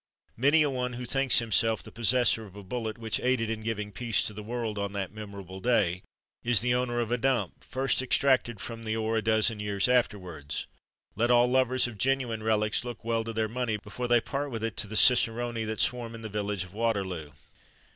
Many a one who thinks himself the possessor of a bullet which aided in giving peace to the world on that memorable day, is the owner of a dump, first extracted from the ore a dozen years afterwards. Let all lovers of genuine relics look well to their money before they part with it to the ciceroni that swarm in the village of Waterloo!